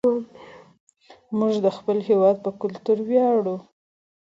موږ د خپل هېواد په کلتور ویاړو.